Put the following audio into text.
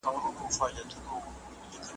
وږي پړانګ غرڅه له لیري وو لیدلی .